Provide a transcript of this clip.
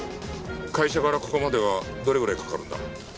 会社からここまではどれぐらいかかるんだ？